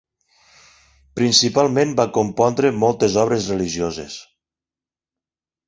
Principalment, va compondre moltes obres religioses.